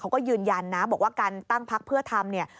เขาก็ยืนยันนะบอกว่าการตั้งพักเพื่อทำเนี่ย